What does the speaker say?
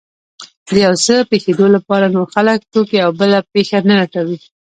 د يو څه پېښېدو لپاره نور خلک، توکي او بله پېښه نه لټوي.